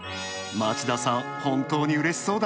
町田さん、本当にうれしそうだ。